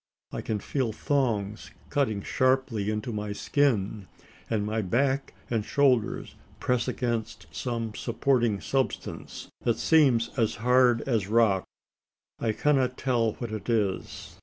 I can feel thongs cutting sharply into my skin; and my back and shoulders press against some supporting substance, that seems as hard as rock. I cannot tell what it is.